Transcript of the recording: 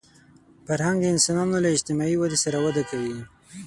فرهنګ د انسانانو له اجتماعي ودې سره وده کوي